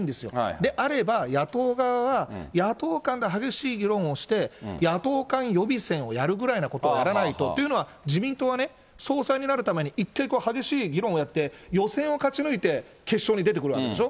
であれば、野党側は野党間で激しい議論をして、野党間予備選をやるぐらいなことをやらないと。というのは、自民党はね、総裁になるために一回こういう議論をやって、予選を勝ち抜いて決勝に出てくるわけでしょ。